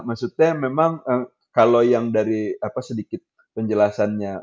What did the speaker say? maksudnya memang kalau yang dari sedikit penjelasannya